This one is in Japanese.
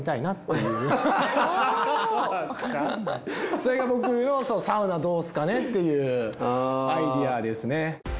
それが僕のサウナどうっすかねっていうアイデアですね。